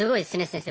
先生